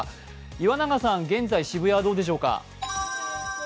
岩永さん、現在、渋谷はどうでしょうか？